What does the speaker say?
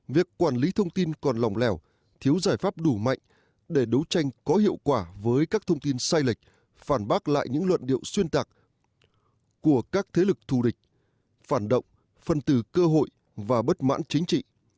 việc quản lý thông tin còn lòng lèo thiếu giải pháp đủ mạnh để đấu tranh có hiệu quả với các thông tin sai lệch phản bác lại những luận điệu xuyên tạc của các thế lực thù địch phản động phân từ cơ hội và bất mãn chính trị